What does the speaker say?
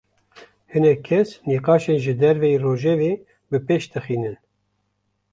Hinek kes, nîqaşên ji derveyî rojevê bi pêş dixînin